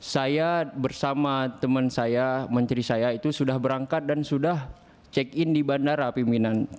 saya bersama teman saya menteri saya itu sudah berangkat dan sudah check in di bandara pimpinan